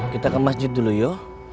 kita ke masjid dulu yuk